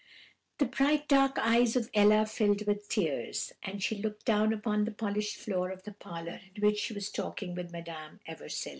"The bright dark eyes of Ella filled with tears, and she looked down upon the polished floor of the parlour in which she was talking with Madame Eversil.